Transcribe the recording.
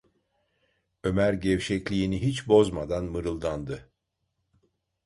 Ömer gevşekliğini hiç bozmadan mırıldandı: